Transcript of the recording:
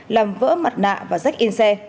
làm vỡ mặt nạ và rách in xe